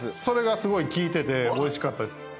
それがすごい効いてておいしかったです。